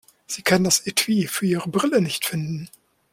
Sie kann das Etui für ihre Brille nicht finden.